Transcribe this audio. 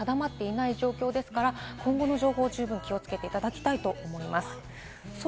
これはまだ進路が定まっていない状況ですから、今後の情報に気をつけていただきたいと思います。